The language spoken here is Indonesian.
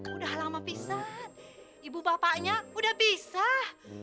udah lama pisat ibu bapaknya udah pisah